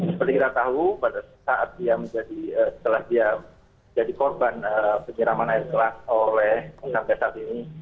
seperti kita tahu pada saat setelah dia menjadi korban penyiraman air kelas oleh kak besat ini